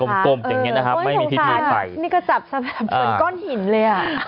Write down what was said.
เกิ่งกลมอย่างเงี้ยนะครับไม่มีที่เลี้ยงไปโอ้ยถุงศาลนี่ก็จับเหมือนก้อนหินเลยอะ